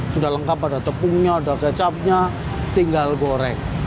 sudah lengkap ada tepungnya ada kecapnya tinggal goreng